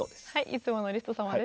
いつものリスト様です。